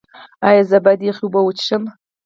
ایا زه باید یخې اوبه وڅښم؟